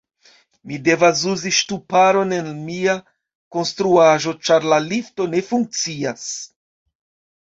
Mi devas uzi ŝtuparon en mia konstruaĵo ĉar la lifto ne funkcias